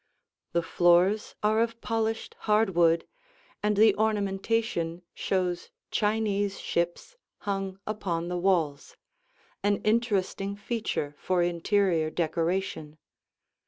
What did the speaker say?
The floors are of polished hardwood, and the ornamentation shows Chinese ships hung upon the walls, an interesting feature for interior decoration.